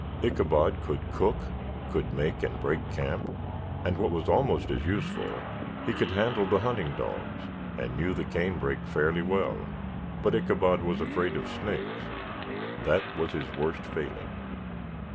Ichabod could cook, could make and break camp and, what was almost as useful, he could handle the hunting dogs, and knew the canebrake fairly well, but Ichabod was afraid of snakes; that was his worst failing.